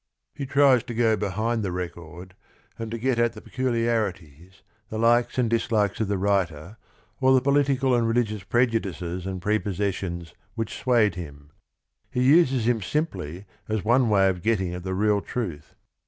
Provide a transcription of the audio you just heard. He tries to go behind the record and to get at the peculiari THE RING AND THE BOOK 11 ties, the likes and dislikes of the writer or the political and religious prejudices and preposses sions which swayed him. He uses him simply as one way of getting at the real truth.